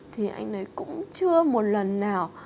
thì anh ấy cũng chưa một lần nào